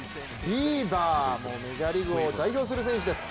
ビーバーもメジャーリーグを代表する選手です。